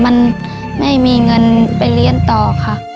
มันไม่มีเงินไปเรียนต่อค่ะ